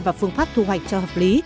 và phương pháp thu hoạch cho hợp lý